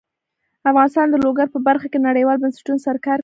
افغانستان د لوگر په برخه کې نړیوالو بنسټونو سره کار کوي.